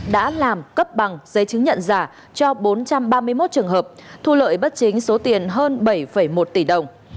đã làm cấp bằng giấy chứng nhận giả cho bốn trăm ba mươi một trường hợp thu lợi bất chính số tiền hơn bảy một tỷ đồng